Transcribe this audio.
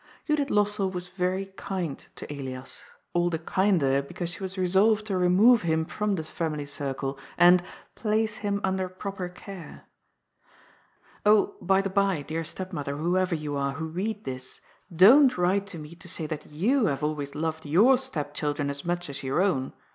Judith Lossell was very kind to Elias, all the kinder be cause she was resolved to remove him from the family circle, and *' place him under proper care." Oh, by the bye, dear stepmother, whoever you are, who read this, don't write to me to say that you have always loved your stepchildren as much as your own.